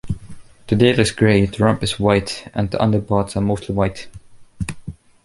The tail is grey, the rump is white and the underparts are mostly white.